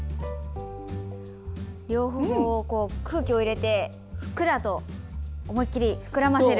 両方、空気を入れてふっくらと思い切り膨らませる。